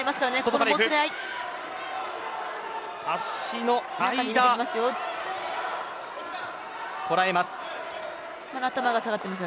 こらえています。